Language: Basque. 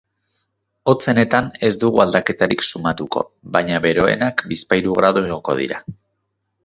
Hotzenetan ez dugu aldaketarik sumatuko baina beroenak bizpahiru gradu igoko dira.